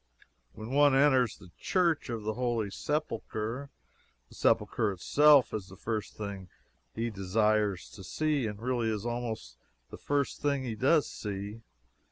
When one enters the Church of the Holy Sepulchre, the Sepulchre itself is the first thing he desires to see, and really is almost the first thing he does see.